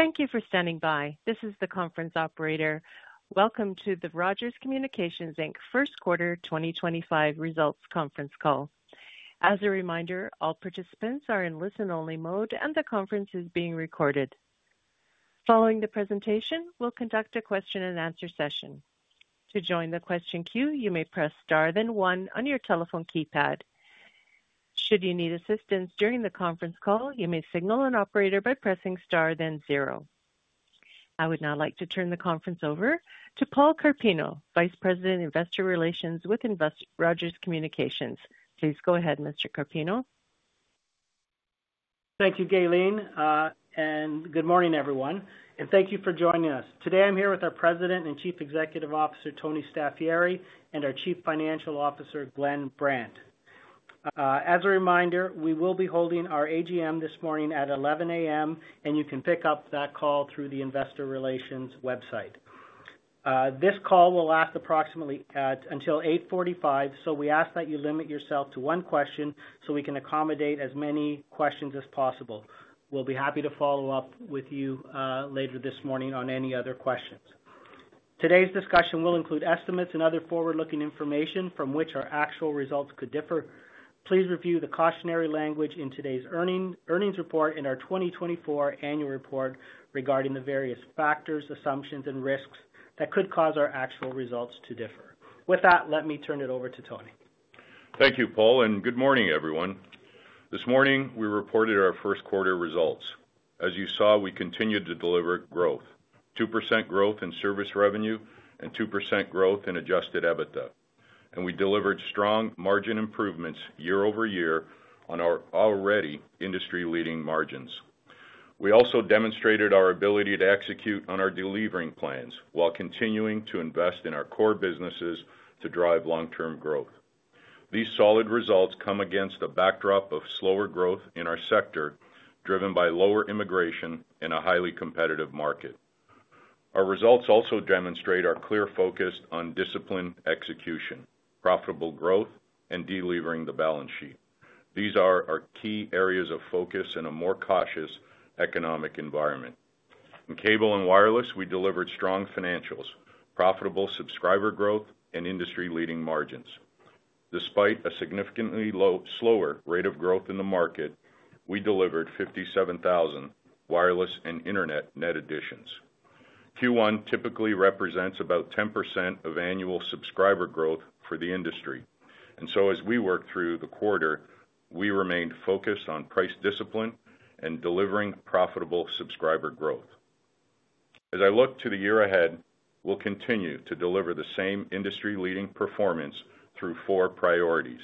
Thank you for standing by. This is the conference operator. Welcome to the Rogers Communications First Quarter 2025 Results Conference Call. As a reminder, all participants are in listen only mode and the conference is being recorded. Following the presentation, we will conduct a question and answer session. To join the question queue, you may press Star then one on your telephone keypad. Should you need assistance during the conference call, you may signal an operator by pressing Star then zero. I would now like to turn the conference over to Paul Carpino, Vice President Investor Relations with Rogers Communications. Please go ahead, Mr. Carpino. Thank you, Gaylene, and good morning, everyone, and thank you for joining us today. I'm here with our President and Chief Executive Officer Tony Staffieri and our Chief Financial Officer Glenn Brandt. As a reminder, we will be holding our AGM this morning at 11:00 A.M., and you can pick up that call through the Investor Relations website. This call will last approximately until 8:45, so we ask that you limit yourself to one question so we can accommodate as many questions as possible. We'll be happy to follow up with you later this morning on any other questions. Today's discussion will include estimates and other forward-looking information from which our actual results could differ. Please review the cautionary language in today's earnings report and our 2024 annual report received regarding the various factors, assumptions, and risks that could cause our actual results to differ. With that, let me turn it over to Tony. Thank you, Paul, and good morning, everyone. This morning we reported our first quarter results. As you saw, we continued to deliver growth: 2% growth in service revenue and 2% growth in adjusted EBITDA. We delivered strong margin improvements year over year on our already industry-leading margins. We also demonstrated our ability to execute on our delevering plans while continuing to invest in our core businesses to drive long-term growth. These solid results come against a backdrop of slower growth in our sector driven by lower immigration in a highly competitive market. Our results also demonstrate our clear focus on disciplined execution, profitable growth, and delevering the balance sheet. These are our key areas of focus in a more cautious economic environment. In cable and wireless, we delivered strong financials, profitable subscriber growth, and industry-leading margins, despite a significantly slower rate of growth in the market. We delivered 57,000 wireless and Internet net additions. Q1 typically represents about 10% of annual subscriber growth for the industry. As we work through the quarter, we remained focused on price discipline and delivering profitable subscriber growth. As I look to the year ahead, we'll continue to deliver the same industry-leading performance through four priorities: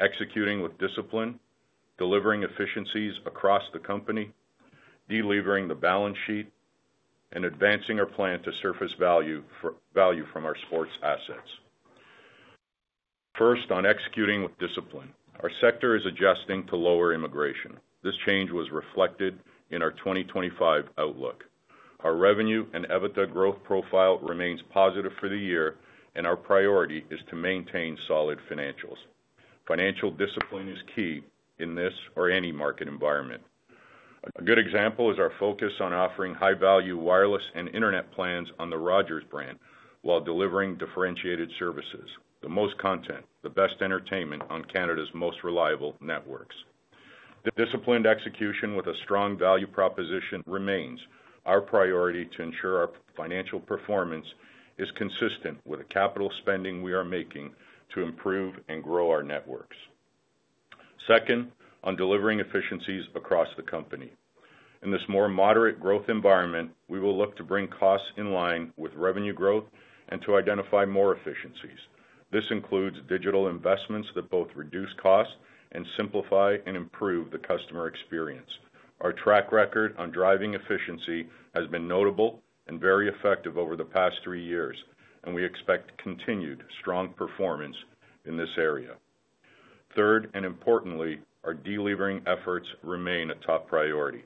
executing with discipline, delivering efficiencies across the company, delevering the balance sheet, and advancing our plan to surface value for value from our sports assets. First, on executing with discipline, our sector is adjusting to lower immigration. This change was reflected in our 2025 outlook. Our revenue and EBITDA growth profile remains positive for the year, and our priority is to maintain solid financials. Financial discipline is key in this or any market environment. A good example is our focus on offering high value wireless and Internet plans on the Rogers brand while delivering differentiated services, the most content, the best entertainment. On Canada's most reliable networks. Disciplined execution with a strong value proposition remains our priority to ensure our financial performance is consistent with the capital spending we are making to improve and grow our networks. Second, on delivering efficiencies across the company. In this more moderate growth environment we will look to bring costs in line with revenue growth and to identify more efficiencies. This includes digital investments that both reduce costs and simplify and improve the customer experience. Our track record on driving efficiency has been notable and very effective over the past three years and we expect continued strong performance in this area. Third, and importantly, our delevering efforts remain a top priority.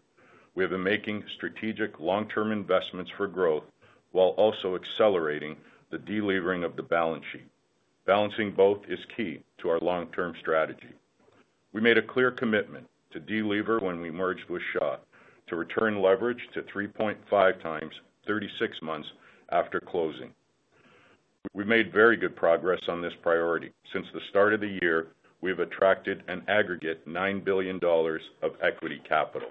We have been making strategic long term investments for growth while also accelerating the delevering of the balance sheet. Balancing both is key to our long term strategy. We made a clear commitment to delever when we merged with Shaw to return leverage to 3.5 times. Thirty-six months after closing we made very good progress on this priority. Since the start of the year we have attracted an aggregate 9 billion dollars of equity capital.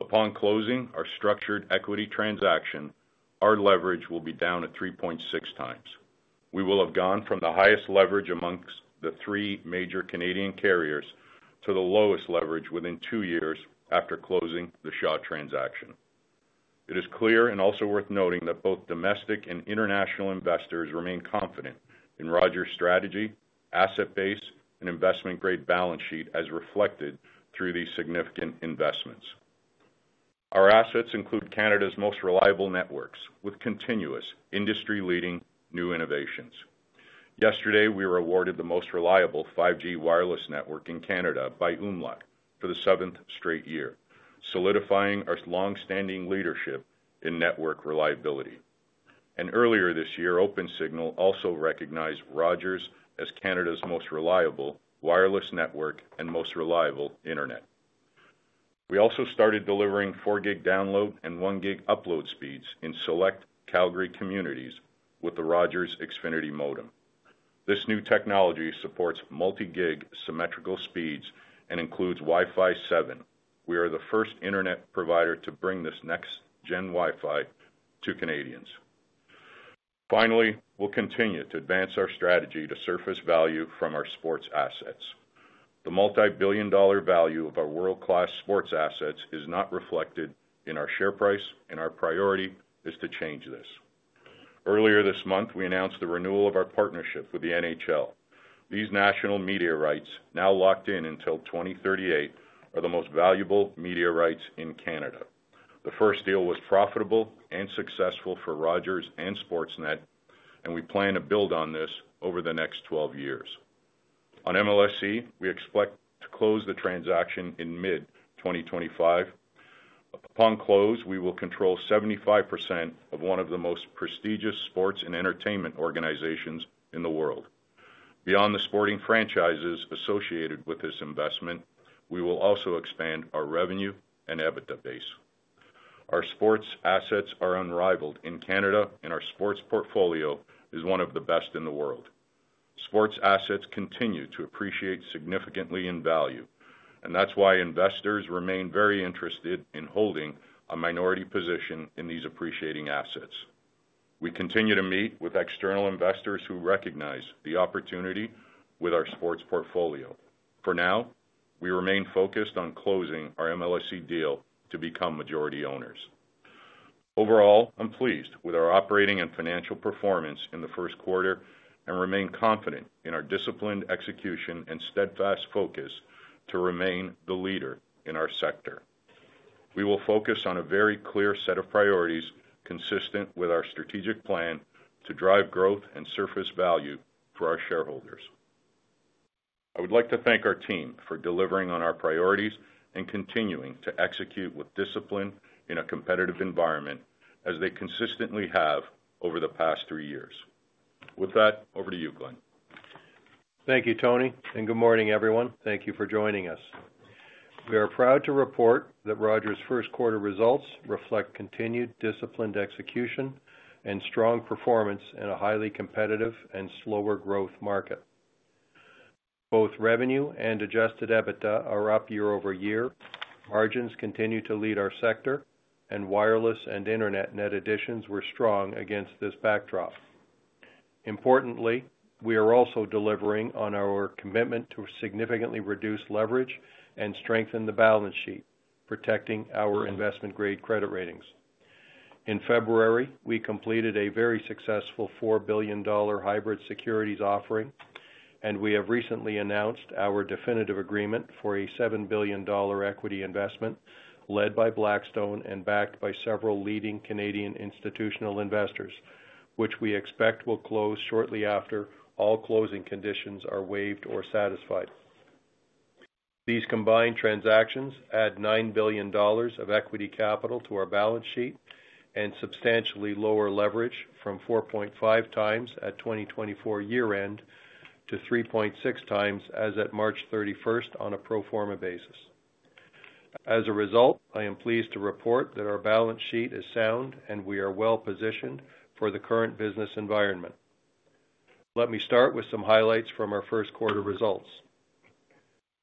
Upon closing our structured equity transaction our leverage will be down at 3.6x. We will have gone from the highest leverage amongst the three major Canadian carriers to the lowest leverage within two years after closing the Shaw transaction. It is clear and also worth noting that both domestic and international investors remain confident in Rogers' strategy, asset base and investment grade balance sheet as reflected in through these significant investments. Our assets include Canada's most reliable networks with continuous industry leading new innovations. Yesterday we were awarded the most reliable 5G Wireless Network in Canada by umlaut for the seventh straight year, solidifying our long standing leadership in network reliability. Earlier this year Opensignal also recognized Rogers as Canada's most reliable wireless network and most reliable Internet. We also started delivering 4 gig download and 1 gig upload speeds in select Calgary communities with the Rogers Xfinity modem. This new technology supports multi-gig symmetrical speeds and includes Wi-Fi 7. We are the first Internet provider to bring this next-gen Wi-Fi to Canadians. Finally, we'll continue to advance our strategy to surface value from our sports assets. The multi-billion dollar value of our world class sports assets is not reflected in our share price and our priority is to change this. Earlier this month we announced the renewal of our partnership with the NHL. These national media rights, now locked in until 2038, are the most valuable media rights in Canada. The first deal was profitable and successful for Rogers and Sportsnet, and we plan to build on this over the next 12 years. On MLSE, we expect to close the transaction in mid-2025. Upon close, we will control 75% of one of the most prestigious sports and entertainment organizations in the world. Beyond the sporting franchises associated with this investment, we will also expand our revenue and EBITDA base. Our sports assets are unrivaled in Canada, and our sports portfolio is one of the best in the world. Sports assets continue to appreciate significantly in value, and that's why investors remain very interested in holding a minority position in these appreciating assets. We continue to meet with external investors who recognize the opportunity with our sports portfolio. For now, we remain focused on closing our MLSE deal to become majority owners. Overall, I'm pleased with our operating and financial performance in the first quarter and remain confident in our disciplined execution and steadfast focus. To remain the leader in our sector, we will focus on a very clear set of priorities consistent with our strategic plan to drive growth and surface value for our shareholders. I would like to thank our team for delivering on our priorities and continuing to execute with discipline in a competitive environment as they consistently have over the past three years. With that, over to you, Glenn. Thank you Tony and good morning everyone. Thank you for joining us. We are proud to report that Rogers first quarter results reflect continued disciplined execution and strong performance in a highly competitive and slower growth market. Both revenue and adjusted EBITDA are up year over year. Margins continue to lead our sector and wireless and Internet net additions were strong against this backdrop. Importantly, we are also delivering on our commitment to significantly reduce leverage and strengthen the balance sheet protecting our investment grade credit ratings. In February, we completed a very successful 4 billion dollar hybrid securities offering and we have recently announced our definitive agreement for a 7 billion dollar equity investment led by Blackstone and backed by several leading Canadian institutional investors, which we expect will close shortly after all closing conditions are waived or satisfied. These combined transactions add 9 billion dollars of equity capital to our balance sheet and substantially lower leverage from 4.5x at 2024 year end to 3.6x as at March 31 on a pro forma basis. As a result, I am pleased to report that our balance sheet is sound and we are well positioned for the current business environment. Let me start with some highlights from our first quarter results.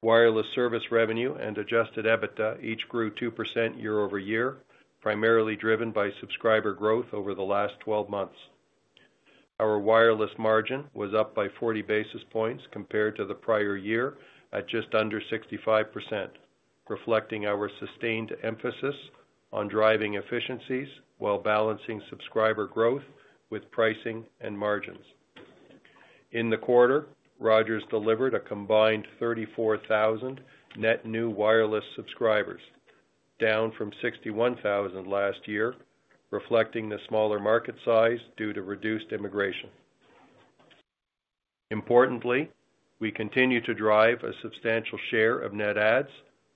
Wireless service revenue and adjusted EBITDA each grew 2% year over year, primarily driven by subscriber growth. Over the last 12 months, our wireless margin was up by 40 basis points compared to the prior year at just under 65%, reflecting our sustained emphasis on driving efficiencies while balancing subscriber growth with pricing and margins. In the quarter, Rogers delivered a combined 34,000 net new wireless subscribers, down from 61,000 last year, reflecting the smaller market size due to reduced immigration. Importantly, we continue to drive a substantial share of net adds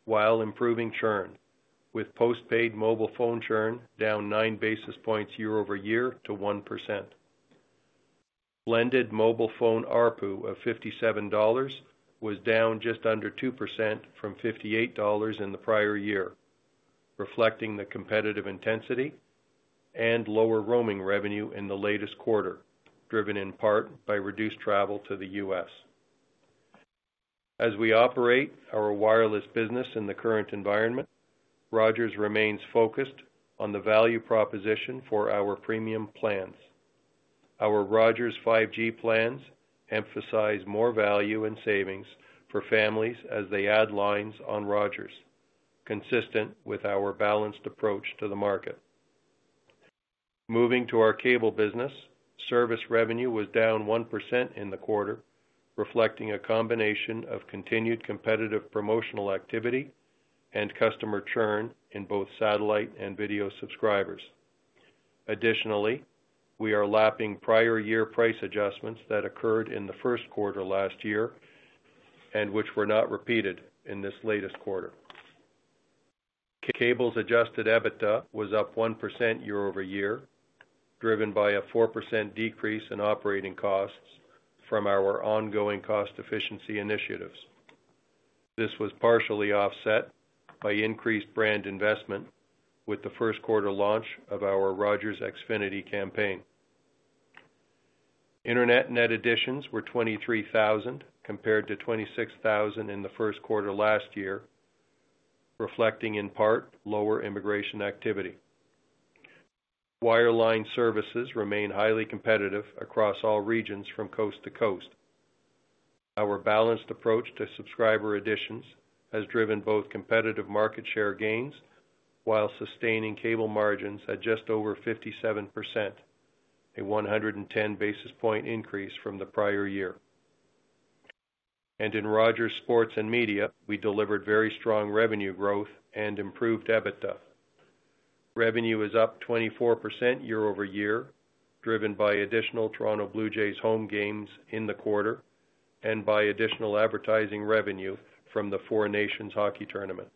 while improving churn with postpaid mobile phone churn down 9 basis points year-over-year to 1%. Blended mobile phone ARPU of 57 dollars was down just under 2% from 58 dollars in the prior year, reflecting the competitive intensity and lower roaming revenue in the latest quarter, driven in part by reduced travel to the U.S. As we operate our wireless business in the current environment, Rogers remains focused on the value proposition for our premium plans. Our Rogers 5G plans emphasize more value and savings for families as they add lines on Rogers, consistent with our balanced approach to the market. Moving to our cable business, service revenue was down 1% in the quarter, reflecting a combination of continued competitive promotional activity and customer churn in both satellite and video subscribers. Additionally, we are lapping prior year price adjustments that occurred in the first quarter last year and which were not repeated in this latest quarter. Cable's adjusted EBITDA was up 1% year over year driven by a 4% decrease in operating costs from our ongoing cost efficiency initiatives. This was partially offset by increased brand investment with the first quarter launch of our Rogers Xfinity campaign. Internet net additions were 23,000 compared to 26,000 in the first quarter last year, reflecting in part lower immigration activity. Wireline services remain highly competitive across all regions from coast to coast. Our balanced approach to subscriber additions has driven both competitive market share gains while sustaining cable margins at just over 57%, a 110 basis point increase from the prior year. In Rogers Sports & Media, we delivered very strong revenue growth and improved EBITDA. Revenue is up 24% year over year, driven by additional Toronto Blue Jays home games in the quarter and by additional advertising revenue from the 4 Nations Hockey Tournament.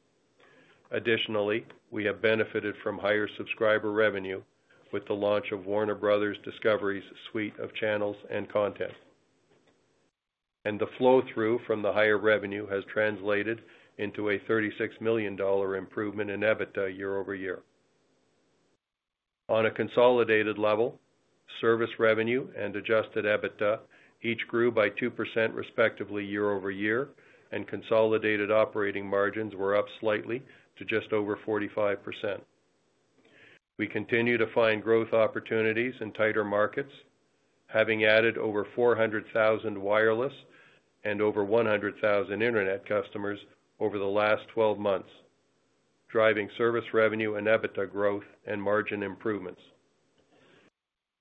Additionally, we have benefited from higher subscriber revenue with the launch of Warner Bros. Discovery's suite of channels and content, and the flow through from the higher revenue has translated into a 36 million dollar improvement in EBITDA year over year. On a consolidated level, service revenue and adjusted EBITDA each grew by 2% year over year, and consolidated operating margins were up slightly to just over 45%. We continue to find growth opportunities in tighter markets, having added over 400,000 wireless and over 100,000 Internet customers over the last 12 months, driving service revenue and EBITDA growth and margin improvements.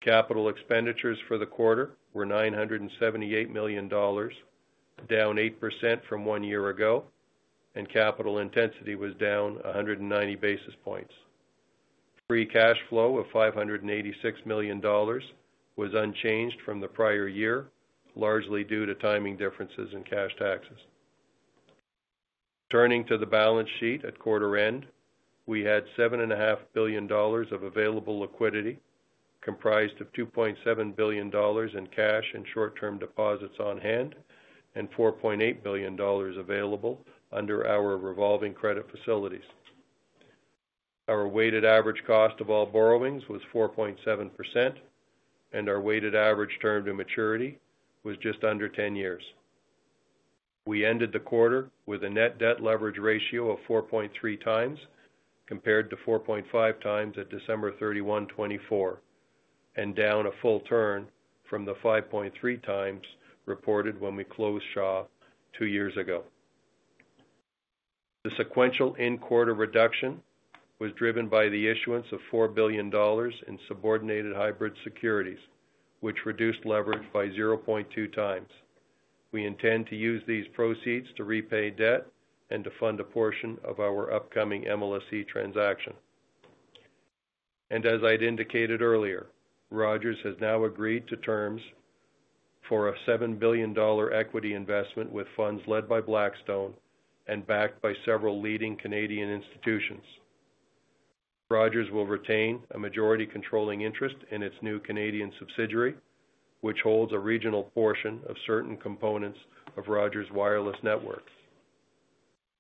Capital expenditures for the quarter were 978 million dollars, down 8% from one year ago and capital intensity was down 190 basis points. Free cash flow of 586 million dollars was unchanged from the prior year, largely due to timing differences in cash taxes. Turning to the balance sheet at quarter end we had 7.5 billion dollars of available liquidity comprised of 2.7 billion dollars in cash and short term deposits on hand and 4.8 billion dollars available under our revolving credit facilities. Our weighted average cost of all borrowings was 4.7% and our weighted average term to maturity was just under 10 years. We ended the quarter with a net debt leverage ratio of 4.3 times compared to 4.5 times at 2024-12-31 and down a full turn from the 5.3 times reported when we closed Shaw two years ago. The sequential end quarter reduction was driven by the issuance of 4 billion dollars in subordinated hybrid securities which reduced leverage by 0.2x. We intend to use these proceeds to repay debt and to fund a portion of our upcoming MLSE transaction. As I indicated earlier, Rogers has now agreed to terms for a 7 billion dollar equity investment with funds led by Blackstone and backed by several leading Canadian institutions. Rogers will retain a majority controlling interest in its new Canadian subsidiary which holds a regional portion of certain components of Rogers Wireless Network.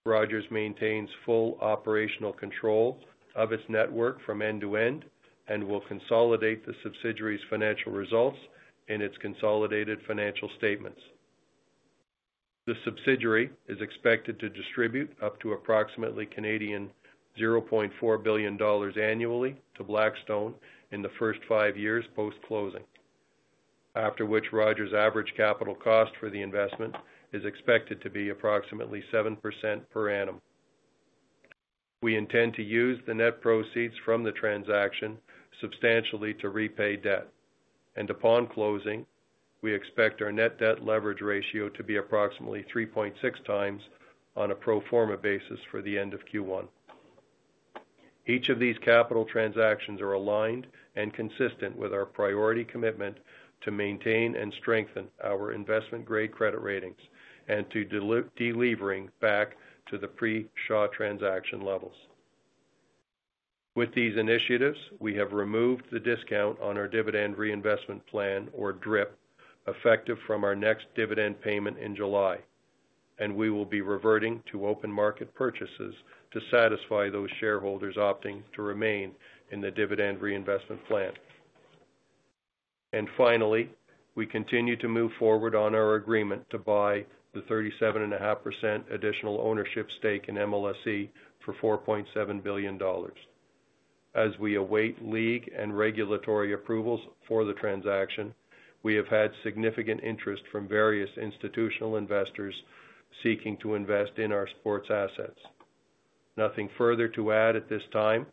Rogers maintains full operational control of its network from end to end and will consolidate the subsidiary's financial results in its consolidated financial statements. The subsidiary is expected to distribute up to approximately 0.4 billion Canadian dollars annually to Blackstone in the first five years post closing, after which Rogers' average capital cost for the investment is expected to be approximately 7% per annum. We intend to use the net proceeds from the transaction substantially to repay debt and upon closing we expect our net debt leverage ratio to be approximately 3.6x on a pro forma basis for the end of Q1. Each of these capital transactions are aligned and consistent with our priority commitment to maintain and strengthen our investment grade credit ratings and to delevering back to the pre Shaw transaction levels. With these initiatives, we have removed the discount on our dividend reinvestment plan or DRIP, effective from our next dividend payment in July, and we will be reverting to open market purchases to satisfy those shareholders opting to remain in the dividend reinvestment plan. Finally, we continue to move forward on our agreement to buy the 37.5% additional ownership stake in MLSE for 4.7 billion dollars as we await league and regulatory approvals for the transaction. We have had significant interest from various institutional investors seeking to invest in our sports assets. Nothing further to add at this time,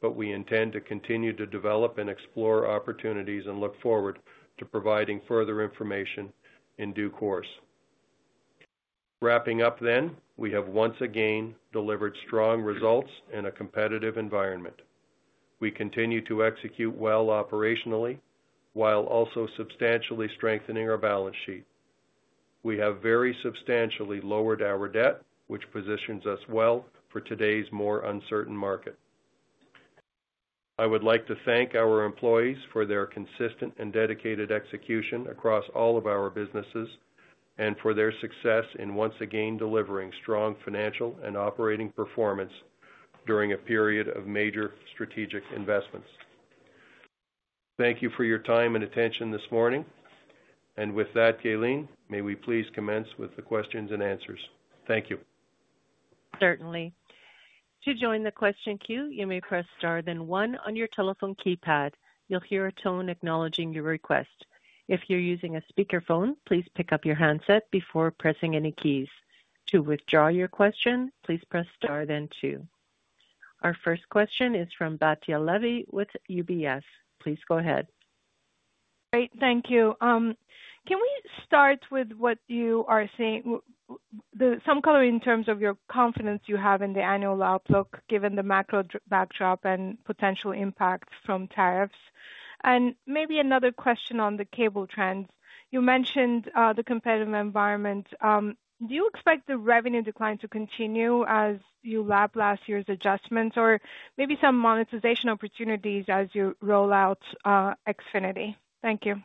but we intend to continue to develop and explore opportunities and look forward to providing further information in due course. Wrapping up, we have once again delivered strong results in a competitive environment. We continue to execute well operationally while also substantially strengthening our balance sheet. We have very substantially lowered our debt, which positions us well for today's more uncertain market. I would like to thank our employees for their consistent and dedicated execution across all of our businesses and for their success in once again delivering strong financial and operating performance during a period of major strategic investments. Thank you for your time and attention this morning. With that, Gaylene, may we please commence with the questions and answers? Thank you. Certainly. To join the question queue you may press star then 1. On your telephone keypad you'll hear a tone acknowledging your request. If you're using a speakerphone, please pick up your handset before pressing any keys. To withdraw your question, please press star then 2. Our first question is from Batya Levi with UBS. Please go ahead. Great. Thank you. Can we start with what you are seeing? Some color in terms of your confidence you have in the annual outlook given the macro backdrop and potential impact from tariffs. Maybe another question on the cable trends. You mentioned the competitive environment. Do you expect the revenue decline to continue as you lap last year's adjustments, or maybe some monetization opportunities as you roll out Xfinity? Thank you.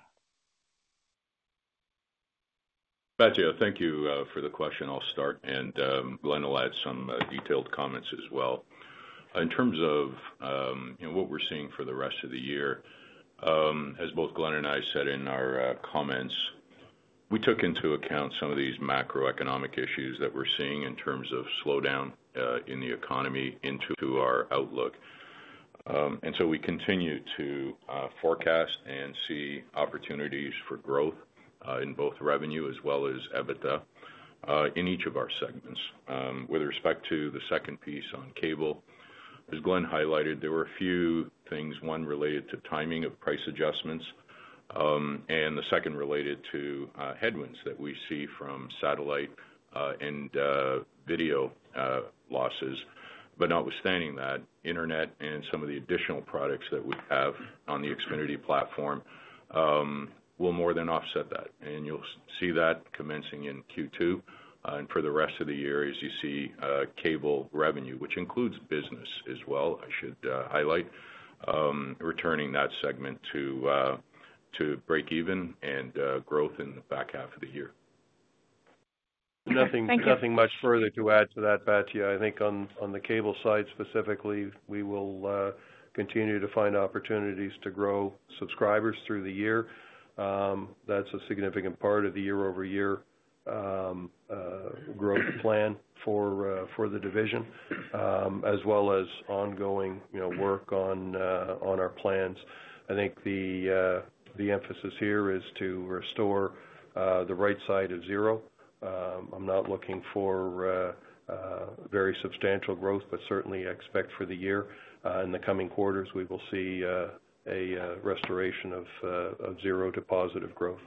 Batya. Thank you for the question. I'll start and Glenn will add some detailed comments as well in terms of what we're seeing for the rest of the year. As both Glenn and I said in our comments, we took into account some of these macroeconomic issues that we're seeing in terms of slowdown in the economy into our outlook. We continue to forecast and see opportunities for growth in both revenue as well as EBITDA in each of our segments. With respect to the second piece on cable. As Glenn highlighted, there were a few things. One related to timing of price adjustments and the second related to headwinds that we see from satellite and video losses. Notwithstanding that, Internet and some of the additional products that we have on the Xfinity platform will more than offset that. You will see that commencing in Q2 and for the rest of the year as you see cable revenue, which includes business as well, I should highlight returning that segment to break even and growth in the back half of the year. Thank you. Nothing much further to add to that. Batya. I think on the cable side specifically, we will continue to find opportunities to grow subscribers through the year. That is a significant part of the year-over- year growth plan for the division as well as ongoing work on our plans. I think the emphasis here is to restore the right side of zero. I am not looking for very substantial growth, but certainly expect for the year in the coming quarters we will see a restoration of zero to positive growth.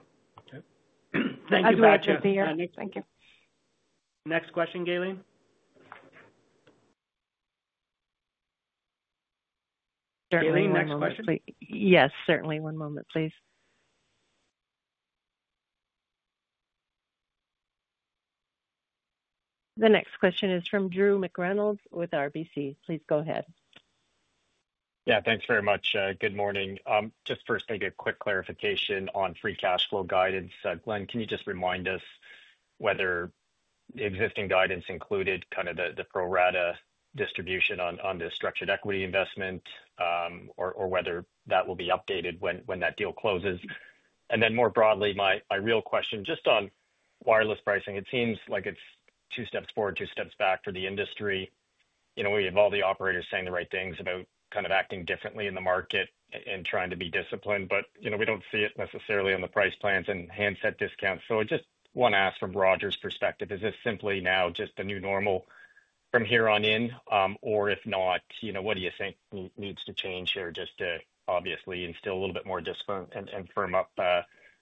Thank you. Next question. Gaylene. Gaylene, next question. Yes, certainly. One moment please. The next question is from Drew McReynolds with RBC. Please go ahead. Yes, thanks very much. Good morning. Just first make a quick clarification on free cash flow guidance. Glenn, can you just remind us whether the existing guidance included kind of the pro rata distribution on the structured equity investment or whether that will be updated when that deal closes. More broadly, my real question just on wireless pricing, it seems like it's two steps forward, two steps back for the industry. You know, we have all the operators saying the right things about kind of acting differently in the market and trying to be disciplined. You know, we don't see it necessarily on the price plans and handset discounts. I just want to ask, from Rogers' perspective, is this simply now just the new normal from here on in? If not, you know, what do you think needs to change here just to obviously instill a little bit more discipline and firm up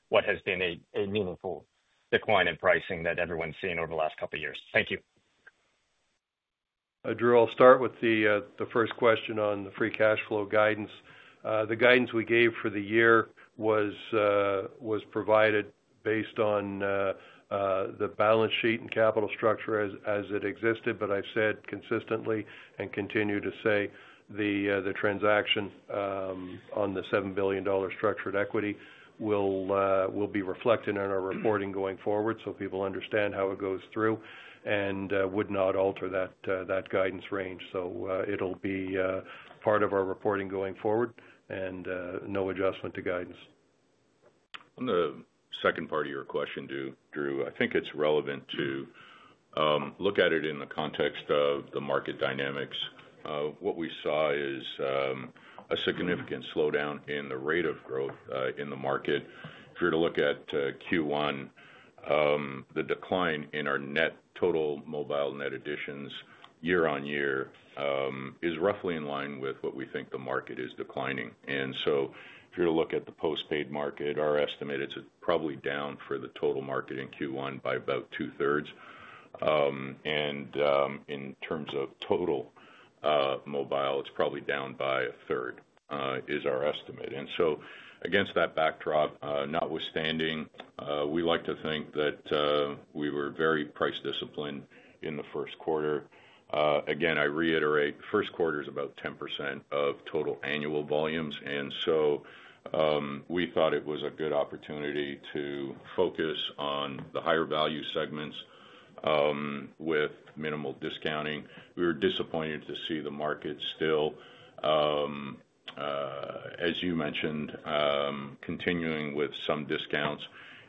what has been a meaningful decline in pricing that everyone's seen over the last couple years. Thank you. Drew. I'll start with the first question on the free cash flow guidance. The guidance we gave for the year was provided based on the balance sheet and capital structure as it existed. I said consistently and continue to say the transaction on the 7 billion dollar structured equity will be reflected in our reporting going forward so people understand how it goes through and would not alter that guidance range. It will be part of our reporting going forward and no adjustment to guidance. On the second part of your question, Drew. I think it's relevant to look at it in the context of the market dynamics. What we saw is a significant slowdown in the rate of growth in the market. If you were to look at Q1, the decline in our net total mobile, net additions year-on-year is roughly in line with what we think the market is declining. If you look at the postpaid market, our estimate, it's probably down for the total market in Q1 by about 2/3. In terms of total mobile, it's probably down by a third is our estimate. Against that backdrop notwithstanding, we like to think that we were very price disciplined in the first quarter. Again, I reiterate, first quarter is about 10% of total annual volumes. We thought it was a good opportunity to focus on the higher value segments with minimal discounting. We were disappointed to see the market. Still, as you mentioned, continuing with some discounts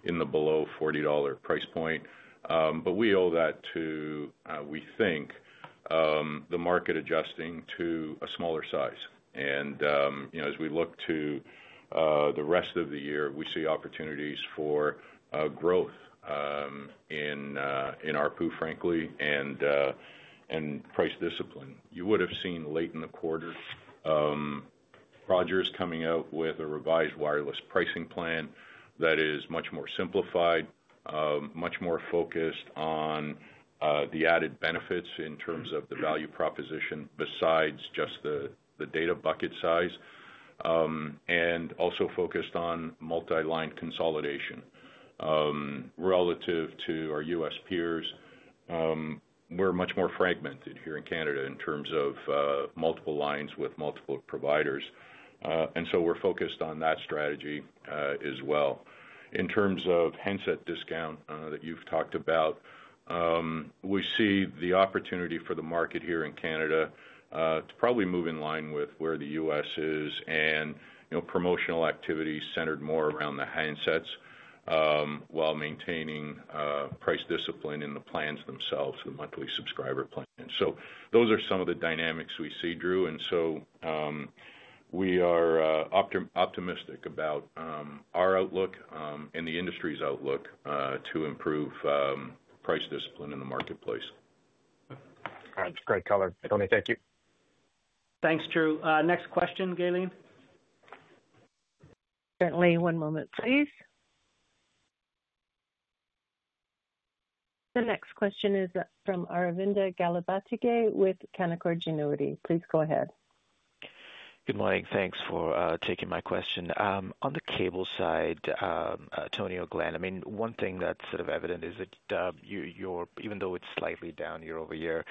in the below CAD 40 price point. We owe that to, we think the market adjusting to a smaller size. As we look to the rest of the year, we see opportunities for growth in ARPU, frankly, and price discipline. You would have seen late in the quarter Rogers coming out with a revised wireless pricing plan that is much more simplified, much more focused on the added benefits in terms of the value proposition besides just the data bucket size, and also focused on multi-line consolidation. Relative to our U.S. peers, we're much more fragmented here in Canada in terms of multiple lines with multiple providers. We are focused on that strategy as well. In terms of handset discount that you've talked about, we see the opportunity for the market here in Canada to probably move in line with where the U.S. is and, you know, promotional activity centered more around the handsets while maintaining price discipline in the plans themselves, the monthly subscriber plan. Those are some of the dynamics we see, Drew. We are optimistic about our outlook and the industry's outlook to improve. Price discipline in the marketplace. All right, great color, Tony. Thank you. Thanks, Drew. Next question, Gaylene. Certainly. One moment please. The next question is from Aravinda Galappatthige with Canaccord Genuity. Please go ahead. Good morning. Thanks for taking my question. On the cable side, Tony or Glenn. I mean, one thing that's sort of evident is that even though it's slightly down year-over-year,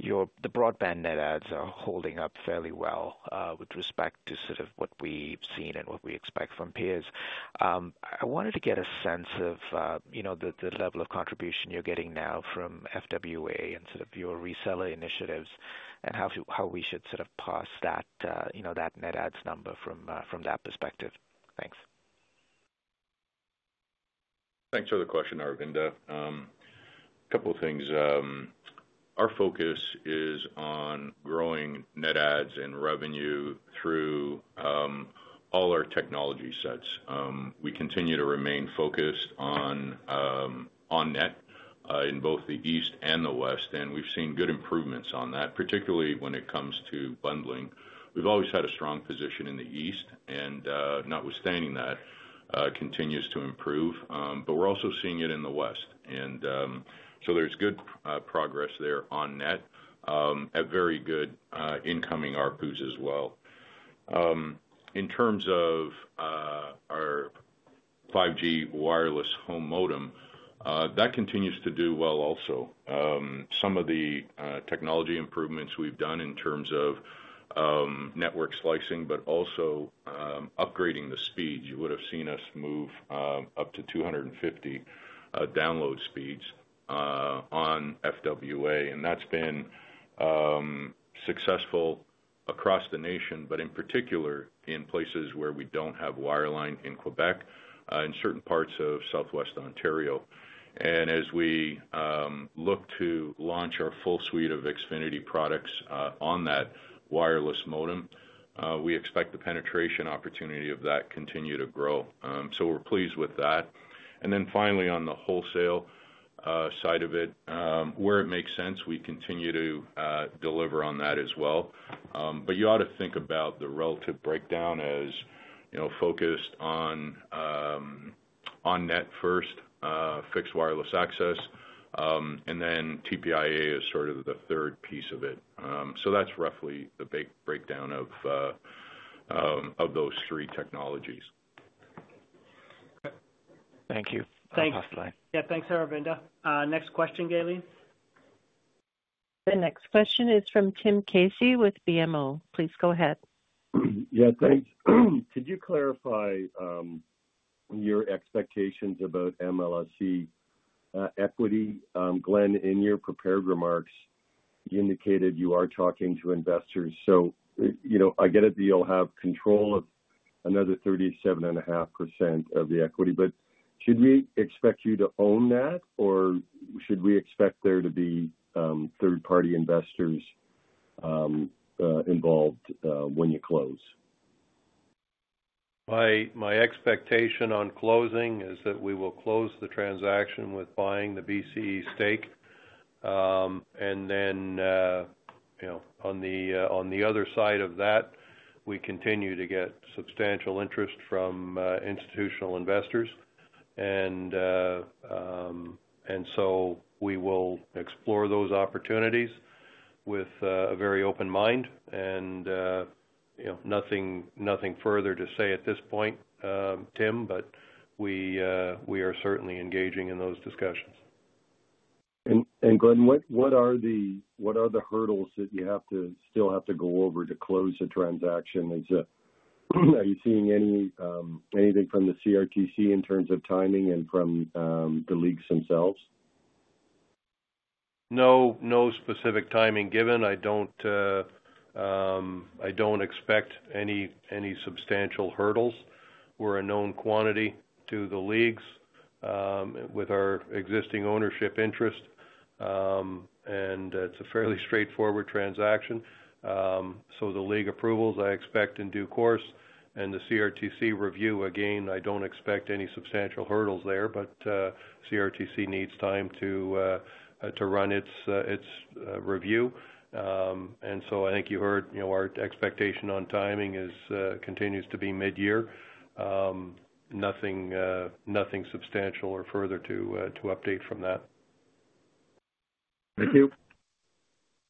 the broadband net adds are holding up fairly well with respect to sort of what we've seen and what we expect from peers. I wanted to get a sense of the level of contribution you're getting now from FWA and sort of your reseller initiatives and how we should sort of pass that net adds number from that perspective. Thanks. Thanks for the question, Aravinda. A couple of things. Our focus is on growing Net adds and revenue through all our technology sets. We continue to remain focused on Net in both the east and the west and we've seen good improvements on that, particularly when it comes to bundling. We've always had a strong position in the east and notwithstanding that continues to improve. We are also seeing it in the west and there is good progress there on Net. A very good incoming ARPU as well in terms of our 5G Wireless Home Modem that continues to do well. Also some of the technology improvements we've done in terms of network slicing but also upgrading the speeds. You would have seen us move up to 250 download speeds on FWA and that's been successful across the nation, in particular in places where we don't have wireline in Quebec in certain parts of southwest Ontario. As we look to launch our full suite of Xfinity products on that wireless modem, we expect the penetration opportunity. Of that continue to grow. We're pleased with that. Finally, on the wholesale side of it, where it makes sense, we continue to deliver on that as well. You ought to think about the relative breakdown as you know, focused on Net first fixed wireless access and then. TPIA is sort of the third piece of it. That's roughly the breakdown of those three technologies. Thank you. Yeah, thanks Aravinda. Next question. Galene, the next question is from Tim Casey with BMO. Please go ahead. Yeah, thanks. Could you clarify your expectations about MLSE equity? Glenn, in your prepared remarks you indicated you are talking to investors. You know I get it that you'll have control of another 37.5% of. The equity, but should we expect you? To own that or should we expect there to be third party investors involved when you close? My expectation on closing is that we will close the transaction with buying the BCE stake and then on the other side of that we continue to get substantial interest from institutional investors and we will explore those opportunities with a very open mind. Nothing further to say at this point, Tim, we are certainly engaging in those discussions. Glenn, what are the hurdles that you still have to go over to close a transaction? Are you seeing anything from the CRTC in terms of timing and from the leagues themselves? No specific timing given. I do not expect any substantial hurdles. We are a known quantity to the leagues with our existing ownership interest and it is a fairly straightforward transaction. The league approvals I expect in due course. The CRTC review, again I do not expect any substantial hurdles there but CRTC needs time to run its review and I think you heard our expectation on timing continues to be mid year. Nothing substantial or further to update from that. Thank you.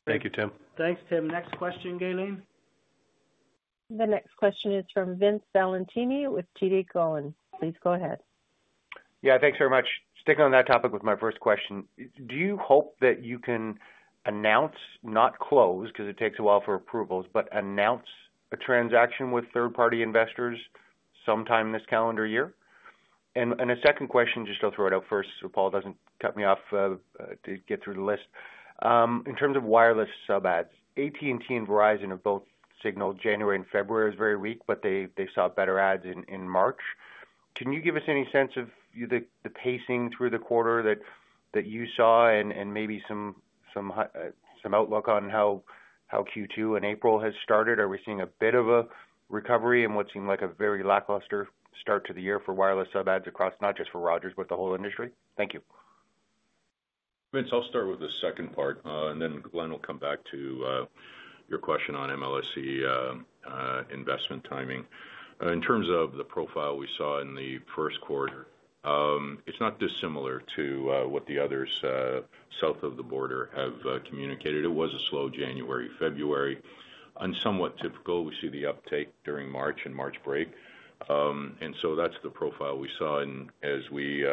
Thank you, Tim. Thanks Tim. Next question. Gaylene, the next question is from Vince Valentini with TD Cowen. Please go ahead. Yeah, thanks very much. Sticking on that topic with my first question. Do you hope that you can announce, not close because it takes a while for approvals, but announce a transaction with third party investors sometime this calendar year? A second question, just I'll throw it out first so Paul doesn't cut. Me off to get through the list. In terms of wireless sub adds, AT&T and Verizon have both signaled January and February was very weak, but they saw better ads in March. Can you give us any sense of the pacing through the quarter that you saw and maybe some outlook on how Q2 and April has started? Are we seeing a bit of a recovery in what seemed like a very. Lackluster start to the year for wireless. Sub ads across, not just for Rogers. The whole industry? Thank you. Vince. I'll start with the second part and then Glenn will come back to your question on MLSE investment timing. In terms of the profile we saw in the first quarter, it's not dissimilar to what the others south of the border have communicated. It was a slow January, February and somewhat typical. We see the uptake during March. March break and so that's the profile we saw. As we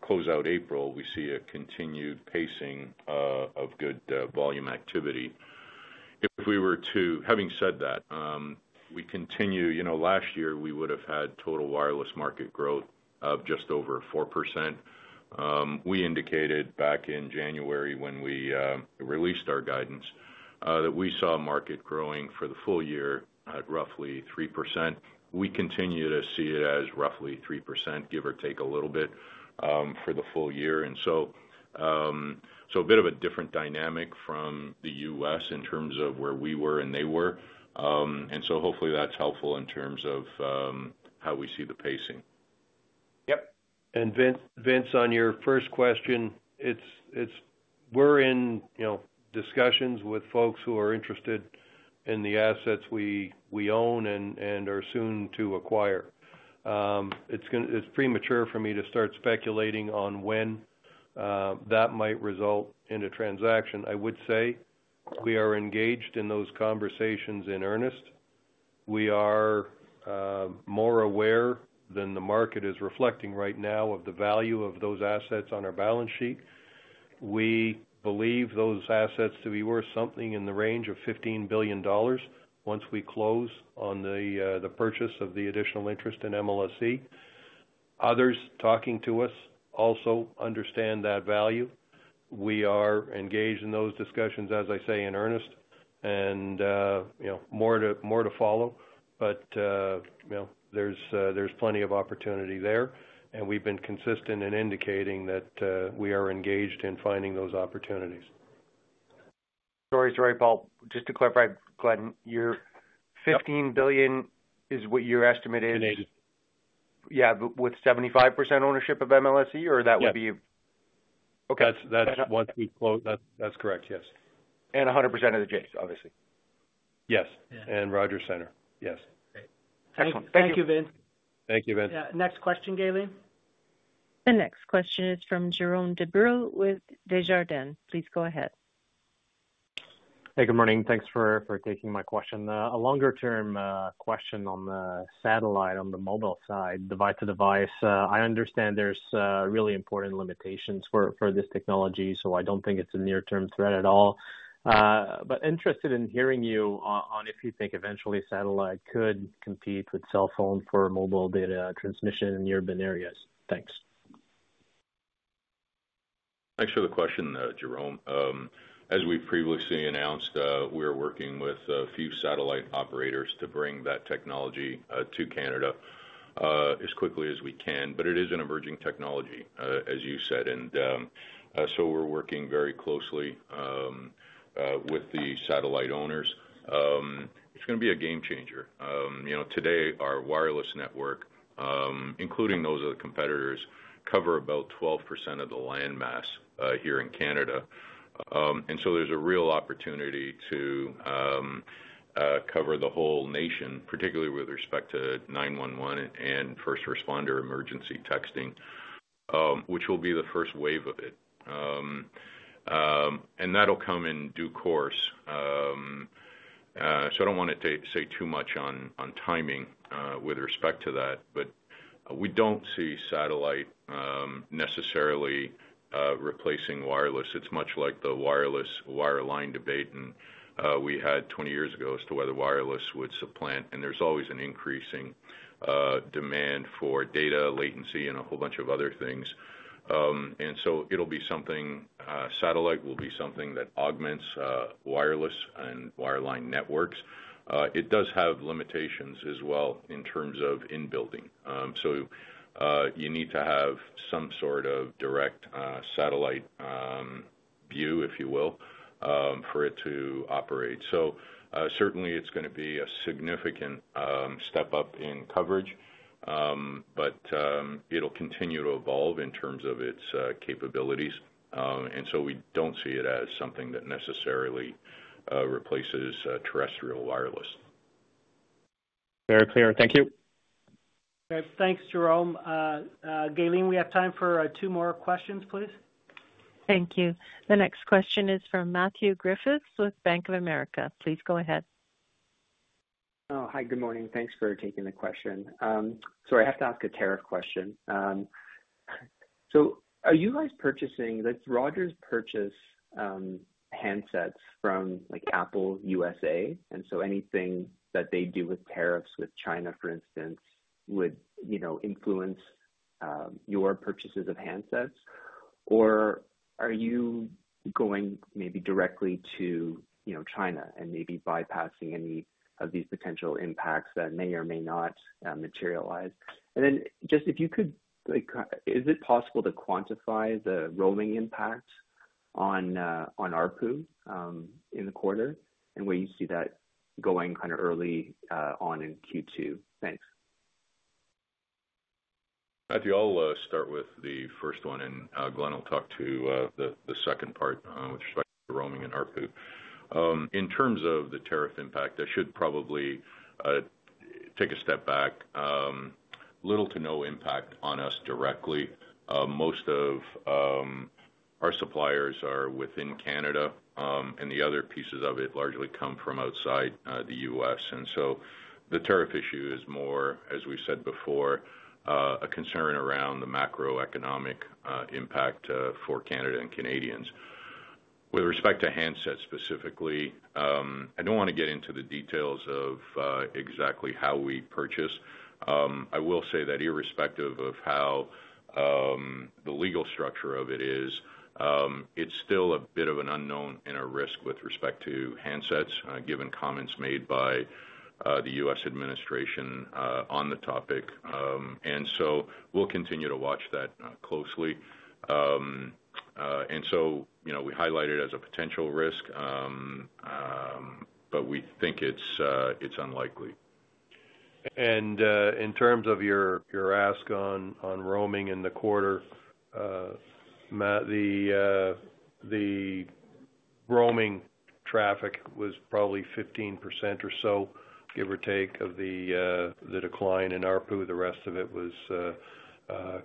close out April we see a continued pacing of good volume activity. Having said that, you know, last year we would have had total wireless market growth of just over 4%. We indicated back in January when we released our guidance that we saw market growing for the full year at roughly 3%. We continue to see it as roughly 3% give or take a little bit for the full year. A bit of a different dynamic from the U.S. in terms of where we were and they were. Hopefully that's helpful in terms of how we see the pacing. Yep. Vince, on your first question, we're in, you know, discussions with folks who are interested in the assets we own and are soon to acquire. It's premature for me to start speculating on when that might result in a transaction. I would say we are engaged in those conversations in earnest. We are more aware than the market is reflecting right now of the value of those assets on our balance sheet. We believe those assets to be worth something in the range of 15 billion dollars once we close on the purchase of the additional interest in MLSE. Others talking to us also understand that value. We are engaged in those discussions, as I say, in earnest and more to follow. There is plenty of opportunity there and we've been consistent in indicating that we are engaged in finding those opportunities. Sorry, sorry, Paul. Just to clarify, Glenn, your 15 billion is what your estimate is? Yeah. With 75% ownership of MLSE, or that would be okay? That's correct, yes. And 100% of the Jays, obviously. Yes. Rogers Centre. Yes. Excellent. Thank you, Vince. Thank you, Vin. Next question. Gaylene, the next question is from Jérôme Dubreuil with Desjardins. Please go ahead. Hey, good morning. Thanks for taking my question. A longer term question on the satellite, on the mobile side, device-to-device, I understand there's really important limitations for this technology, so I don't think it's a near term threat at all. Interested in hearing you on if you think eventually satellite could compete with cell phone for mobile data transmission in urban areas. Thanks. Thanks for the question, Jérome. As we previously announced, we are working with a few satellite operators to bring that technology to Canada as quickly as we can. It is an emerging technology, as you said, and we are working very closely with the satellite owners. It's going to be a game changer. You know, today our wireless network, including those of the competitors, cover about 12% of the land mass here in Canada. There is a real opportunity to cover the whole nation, particularly with respect to 911 and first responder American emergency texting, which will be the first wave. Of it. That'll come in due course. I don't want to say too much on timing with respect to that, but we don't see satellite necessarily replacing wireless. It's much like the wireless wireline debate we had 20 years ago as to whether wireless would supply. There's always an increasing demand for data latency and a whole bunch of other things. It'll be something. Satellite will be something that augments wireless and wireline networks. It does have limitations as well in terms of in building. You need to have some sort of direct satellite view, if you will, for it to operate. Certainly it's going to be a significant step up in coverage, but it'll continue to evolve in terms of its capabilities. We don't see it as something that necessarily replaces terrestrial wireless. Very clear. Thank you. Thanks, Jerome. Galene, we have time for two more questions, please. Thank you. The next question is from Matthew Griffiths with Bank of America. Please go ahead. Hi, good morning. Thanks for taking the question. Sorry, I have to ask a tariff question. Are you guys purchasing this Rogers purchase handsets from like Apple USA and anything that they do with tariffs with China, for instance, would, you know, influence your purchases of handsets or are you going maybe directly to China and maybe bypassing any of these potential impacts that may or may not materialize? If you could, is it possible to quantify the rolling impact on ARPU in the quarter and where you see that going kind of early on in Q2? Thanks. Matthew. I'll start with the first one and Glenn will talk to the second part. With respect to roaming and ARPU, in terms of the tariff impact, I should probably take a step back. Little to no impact on us directly. Most of our suppliers are within Canada and the other pieces of it largely come from outside the U.S. and so the tariff issue is more, as we said before, a concern around the macroeconomic impact for Canada and Canadians. With respect to handsets specifically, I don't want to get into the details of exactly how we purchase. I will say that irrespective of how the legal structure of it is, it's still a bit of an unknown inner risk with respect to handsets, given comments made by the U.S. Administration on the topic. We will continue to watch that closely. You know, we highlight it as a potential risk, but we think it's unlikely. In terms of your ask on roaming in the quarter, the roaming traffic was probably 15% or so, give or take of the decline in ARPU. The rest of it was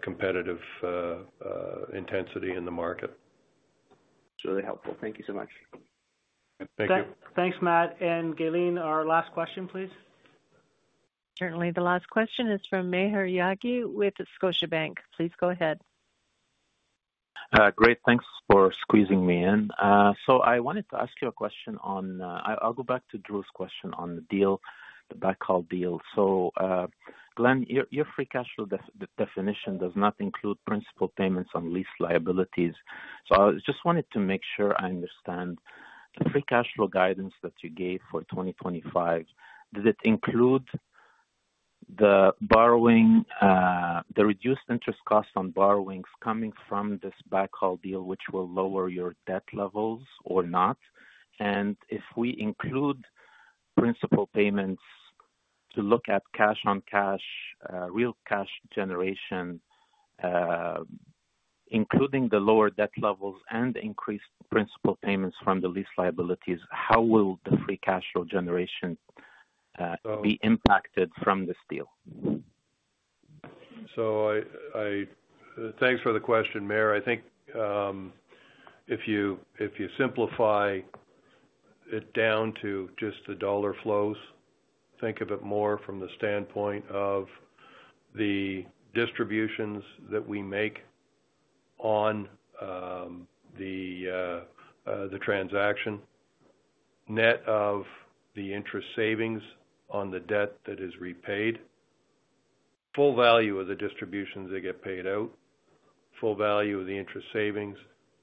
competitive intensity in the market. They're helpful. Thank you so much. Thanks, Matt Gaylene, our last question please. Certainly the last question is from Maher Yaghi with Scotiabank. Please go ahead. Great. Thanks for squeezing me in. I wanted to ask you a question on, I'll go back to Drew's question on the deal, the backhaul deal. Glenn, your free cash flow definition does not include principal payments on lease liabilities. I just wanted to make sure I understand the free cash flow guidance that you gave for 2025. Did it include the borrowing, the reduced interest cost on borrowings coming from this backhaul deal which will lower your debt levels or not? If we include principal payments to look at cash on cash, real cash generation, including the lower debt levels and increased principal payments from the lease liabilities, how will the free cash flow generation be impacted from this deal? Thanks for the question, Maher. I think if you simplify it down to just the dollar flows, think of it more from the standpoint of the distributions that we make on the transaction net of the interest savings on the debt that is repaid, full value of the distributions that get paid out, full value of the interest savings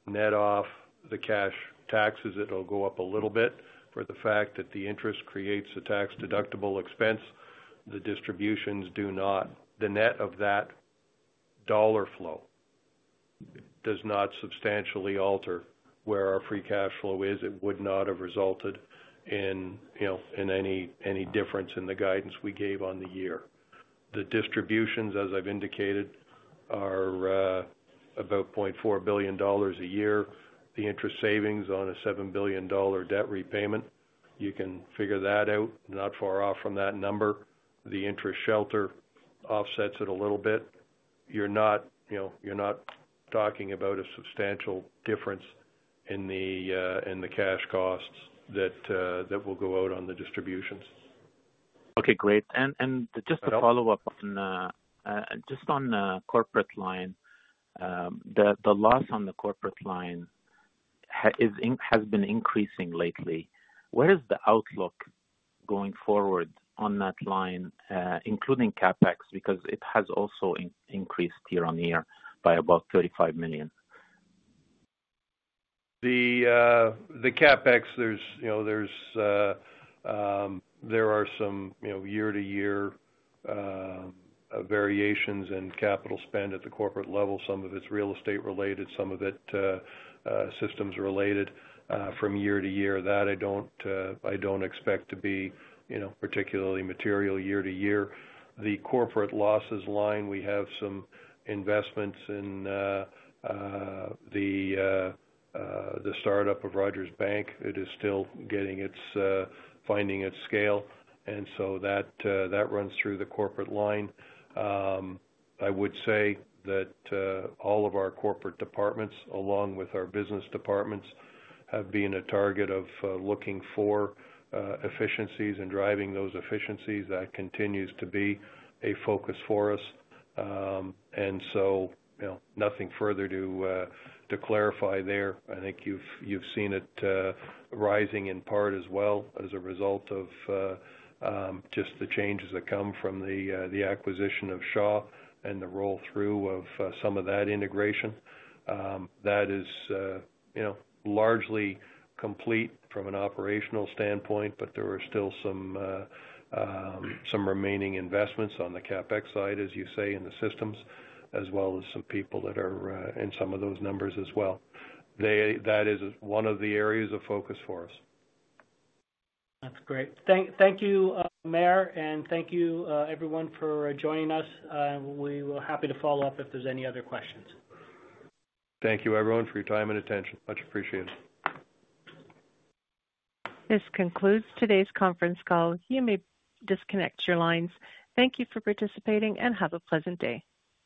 net off the cash taxes, it'll go up a little bit for the fact that the interest creates a tax deductible expense. The distributions do not, the net of that dollar flow does not substantially alter where our free cash flow is. It would not have resulted in any difference in the guidance we gave on the year. The distributions as I've indicated, are about 0.4 billion dollars a year. The interest savings on a 7 billion dollar debt repayment, you can figure that out not far off from that number. The interest shelter offsets it a little bit. You're not, you know, you're not talking about a substantial difference in the cash costs that will go out on the distributions. Okay, great. Just to follow up on, just on corporate line, the loss on the corporate line has been increasing lately. What is the outlook going forward on that line including CapEx, because it has also increased year-on-year by about 35 million. The CapEx. There's, you know, there are some, you know, year to year variations in capital spend at the corporate level. Some of it's real estate related, some of it systems related from year to year that I don't expect to be particularly material. Year to year, the corporate losses line, we have some investments in the startup of Rogers Bank. It is still finding its scale and so that runs through the corporate line. I would say that all of our corporate departments along with our business departments have been a target of looking for efficiencies and driving those efficiencies. That continues to be a focus for us. Nothing further to clarify there. I think you've seen it rising in part as well as a result of just the changes that come from the acquisition of Shaw and the roll through of some of that integration that is largely complete from an operational standpoint. There are still some remaining investments on the CapEx side, as you say, in the systems as well as some people that are in some of those numbers as well. That is one of the areas of focus for us. That's great. Thank you, Maher. Thank you, everyone for joining us. We are happy to follow up if there are any other questions. Thank you, everyone, for your time and attention. Much appreciated. This concludes today's conference call. You may disconnect your lines. Thank you for participating and have a pleasant day.